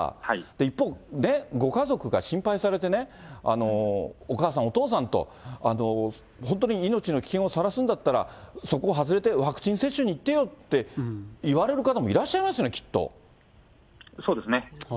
一方、ご家族が心配されてね、お母さん、お父さんと、本当に命の危険をさらすんだったら、そこを外れてワクチン接種に行ってよって言われる方もいらっしゃそうですね。